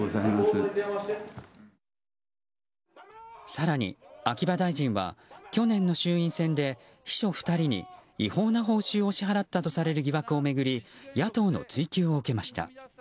更に、秋葉大臣は去年の衆院選で秘書２人に違法な報酬を支払ったとされる疑惑を巡り野党の追及を受けました。